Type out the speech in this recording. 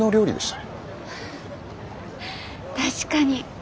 確かに。